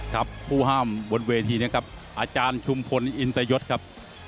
ครับผู้ห้ามบนเวทีนะครับอาจารย์ชุมพลอินตยศครับ